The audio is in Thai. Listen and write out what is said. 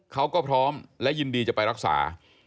เขาก็พร้อมและยินดีจะไปรักษา